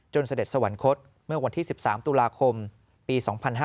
เสด็จสวรรคตเมื่อวันที่๑๓ตุลาคมปี๒๕๕๙